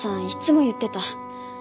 いつも言ってた。